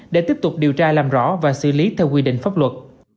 để tiếp tục điều tra làm rõ và xử lý theo quy định pháp luật